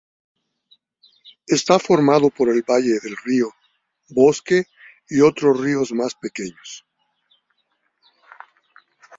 Está formado por el valle del río Bosque y otros ríos más pequeños.